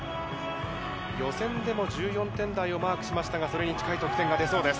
予選でも１４点台をマークしましたが、それに近い得点が出そうです。